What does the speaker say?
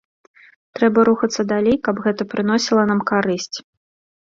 Трэба рухацца далей, каб гэта прыносіла нам карысць.